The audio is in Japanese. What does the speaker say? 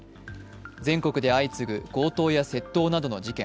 全国で相次ぐ強盗や窃盗などの事件。